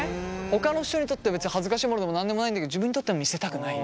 ほかの人にとって別に恥ずかしいモノでも何でもないんだけど自分にとっては見せたくない。